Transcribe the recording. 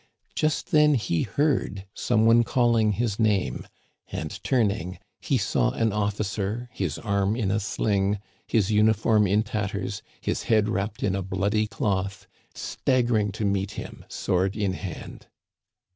Just then he heard some one calling his name ; and turning, he saw an officer, his arm in a sling, his uniform in tatters, his head wrapped in a bloody cloth, staggering to meet him sword in hand.